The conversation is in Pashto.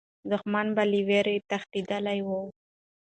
دښمن به له ویرې تښتېدلی وو.